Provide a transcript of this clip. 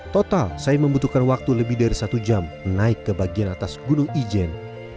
total saya membutuhkan waktu lebih dari satu jam naik ke bagian atas gunung ijen